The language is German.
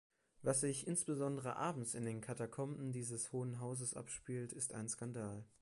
Was sich insbesondere abends in den Katakomben dieses Hohen Hauses abspielt, ist ein Skandal.